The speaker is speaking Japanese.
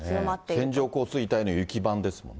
線状降水帯の雪版ですもんね。